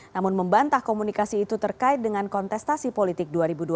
namun membantah komunikasi itu terkait dengan kontestasi politik dua ribu dua puluh